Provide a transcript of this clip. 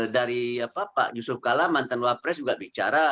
dari pak yusuf kalla mantan luar pres juga bicara